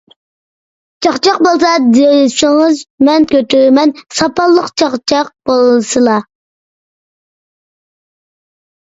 چاقچاق بولسا دېسىڭىز مەن كۆتۈرىمەن، ساپالىق چاقچاق بولسىلا!